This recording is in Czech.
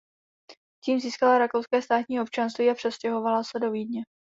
Tím získala rakouské státní občanství a přestěhovala se do Vídně.